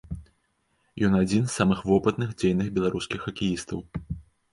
Ён адзін з самых вопытных дзейных беларускіх хакеістаў.